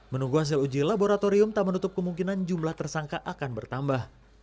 menunggu hasil uji laboratorium tak menutup kemungkinan jumlah tersangka akan bertambah